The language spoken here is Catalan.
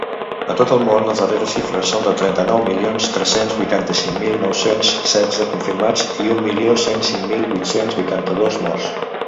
A tot el món, les darreres xifres són de trenta-nou milions tres-cents vuitanta-cinc mil nou-cents setze confirmats i un milió cent cinc mil vuit-cents vuitanta-dos morts.